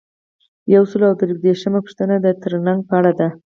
یو سل او درې دیرشمه پوښتنه د ټریننګ په اړه ده.